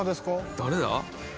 誰だ？